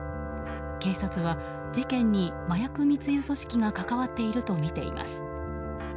警察は事件に麻薬密輸組織が関わっているとみています。